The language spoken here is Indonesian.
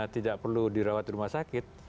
tidak perlu dirawat di rumah sakit